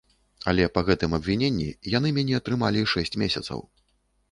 Але па гэтым абвіненні яны мяне трымалі шэсць месяцаў.